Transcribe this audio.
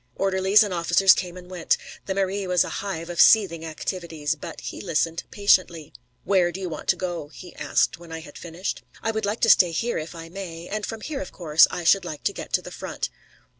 Orderlies and officers came and went; the Mairie was a hive of seething activities. But he listened patiently. "Where do you want to go?" he asked when I had finished. "I should like to stay here, if I may. And from here, of course, I should like to get to the front."